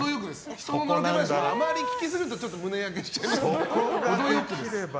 人の、のろけ話あまり聞きすぎると胸焼けしちゃいますので程良くです。